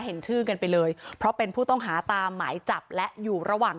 เห็นชื่อกันไปเลยเพราะเป็นผู้ต้องหาตามหมายจับและอยู่ระหว่าง